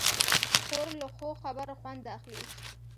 خور له ښو خبرو خوند اخلي.